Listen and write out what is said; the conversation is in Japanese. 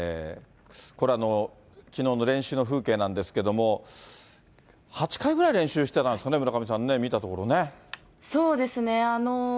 これはきのうの練習の風景なんですけれども、８回ぐらい練習してたんですかね、村上さんね、そうですね。